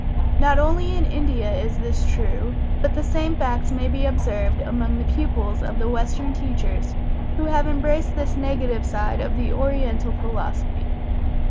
Not only in India is this true, but the same facts may be observed among the pupils of the Western teachers who have embraced this negative side of the Oriental Philosophy.